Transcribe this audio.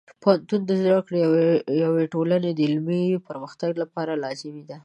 د پوهنتون زده کړې د یوې ټولنې د علمي پرمختګ لپاره لازمي دي.